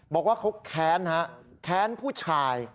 บอกว่าเขาแขนผู้ชาย